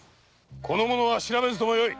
この者は調べずともよい！